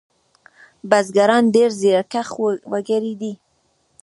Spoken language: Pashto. بزگران ډېر زیارکښ وگړي دي.